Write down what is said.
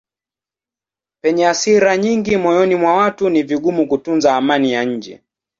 Penye hasira nyingi moyoni mwa watu ni vigumu kutunza amani ya nje.